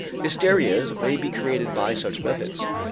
Hysterias may be created by such methods.